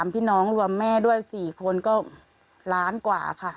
พี่น้องรวมแม่ด้วย๔คนก็ล้านกว่าค่ะ